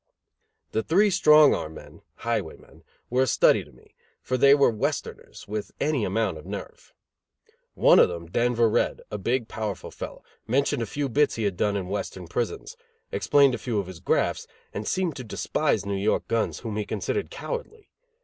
The three strong arm men (highwaymen) were a study to me, for they were Westerners, with any amount of nerve. One of them, Denver Red, a big powerful fellow, mentioned a few bits he had done in Western prisons, explained a few of his grafts and seemed to despise New York guns, whom he considered cowardly.